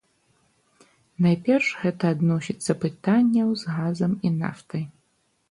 Найперш гэта адносіцца пытанняў з газам і нафтай.